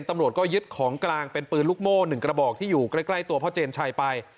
ตำรวจก็ยึดของกลางเป็นปืนลูกโม่๑กระบอกที่อยู่ใกล้ตัวพ่อเจนชัยไป